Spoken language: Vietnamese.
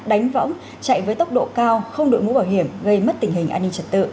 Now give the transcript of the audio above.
đánh võng chạy với tốc độ cao không đội mũ bảo hiểm gây mất tình hình an ninh trật tự